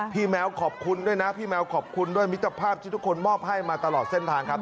แมวขอบคุณด้วยนะพี่แมวขอบคุณด้วยมิตรภาพที่ทุกคนมอบให้มาตลอดเส้นทางครับ